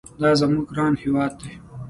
دا زموږ ګران هېواد دي.